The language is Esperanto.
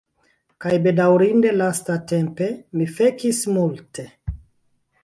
Kaj bedaŭrinde lastatempe, mi fekis multe.